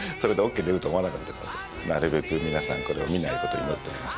なるべく皆さんこれを見ないことを祈ってます。